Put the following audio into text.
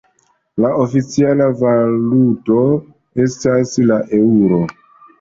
La oficiala valuto estas la Eŭro.